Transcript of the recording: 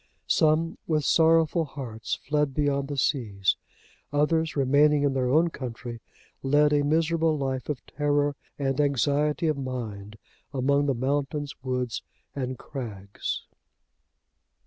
Some, with sorrowful hearts, fled beyond the seas. Others, remaining in their own country, led a miserable life of terror and anxiety of mind among the mountains, woods and crags.